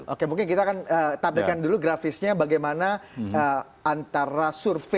oke mungkin kita akan tampilkan dulu grafisnya bagaimana antara survei